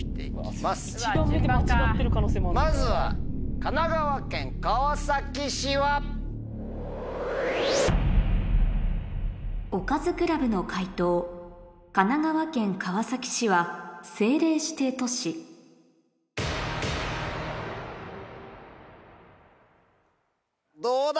おかずクラブの解答「神奈川県川崎市は政令指定都市」どうだ？